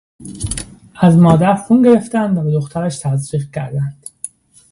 از مادر خون گرفتند و به دخترش تزریق کردند.